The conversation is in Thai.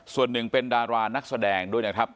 ส่วนหนึ่งเป็นดารานักแสดงด้วยนะครับ